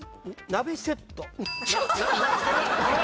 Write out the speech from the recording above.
鍋セット。